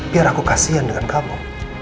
biar aku kasian dengan kamu